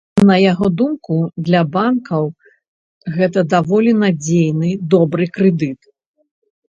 На яго думку, для банкаў гэта даволі надзейны, добры крэдыт.